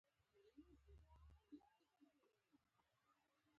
ميسي سي پي د مکسیکو په خلیج توییږي.